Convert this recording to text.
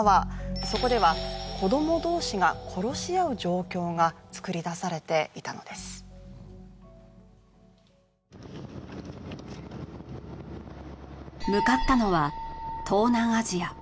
そこでは子ども同士が殺し合う状況が作り出されていたのです向かったのは東南アジア